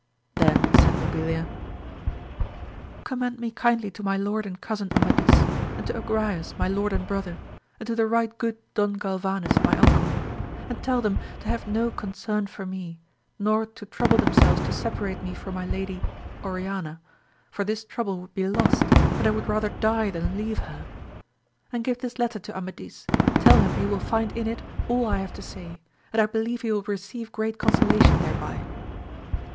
Then said Mabilia, commend me kindly to my lord and cousin Amadis, and to Agrayes my lord and AMADIS OF GAUL. 165 brother, and to the right good Don Galvanes, my uncle ; and tell them to have no concern for me, nor to trouble themselves to separate me from my Lady Oriana, for this trouble would be lost, and I would rather die than leave her: and give this letter to Amadis, tell him he will find in it all I have to say, and I believe he will receive great consolation thereby.